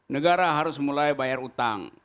negara harus mulai bayar utang